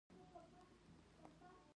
• ساده ژوند، ارامه زړه.